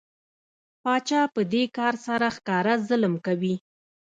پاچا په دې کار سره ښکاره ظلم کوي.